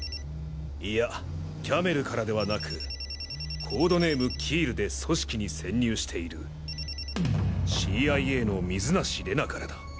いやキャメルからではなくコードネームキールで組織に潜入しているＣＩＡの水無怜奈からだ。